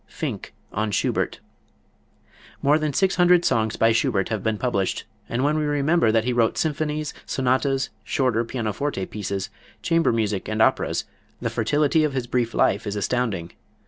Finck on Schubert. More than six hundred songs by Schubert have been published, and when we remember that he wrote symphonies, sonatas, shorter pianoforte pieces, chamber music and operas, the fertility of his brief life is astounding.